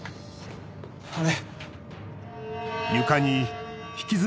あれ。